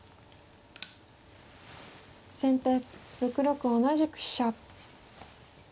先手６六同じく飛車。